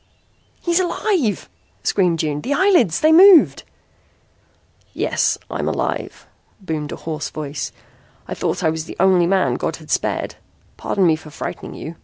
"He's alive!" screamed June. "The eyelids! They moved!" "Yes, I'm alive," boomed a hoarse voice. "I thought I was the only man God had spared. Pardon me for frightening you.